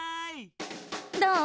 どう？